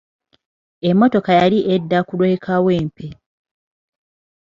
Emmotoka yali edda ku lw'e kawempe.